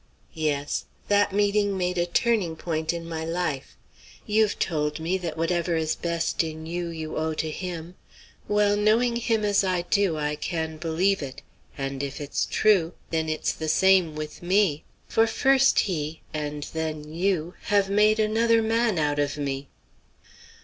"Yes. That meeting made a turning point in my life. You've told me that whatever is best in you, you owe to him. Well, knowing him as I do, I can believe it; and if it's true, then it's the same with me; for first he, and then you, have made another man out of me."